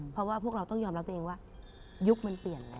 เพราะว่าพวกเราต้องยอมรับตัวเองว่ายุคมันเปลี่ยนแล้ว